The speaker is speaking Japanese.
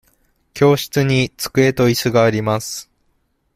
教室に机といすがあります。